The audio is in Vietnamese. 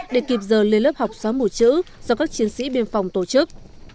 để kịp giờ lên lớp học xóa mùi chữ do các chiến sĩ biên phòng tổ chức